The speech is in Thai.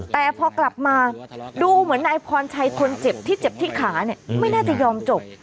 แต่พอกลับมาดูเหมือนนายพรชัยคนเจ็บที่เจ็บที่ขาเนี่ยไม่น่าจะยอมจบ